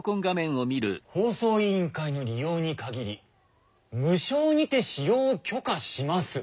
「放送委員会の利用に限り無償にて使用を許可します」。